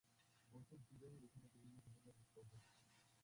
বছর জুড়েই এখানে বিভিন্ন ধরনের উৎসব হয়ে থাকে।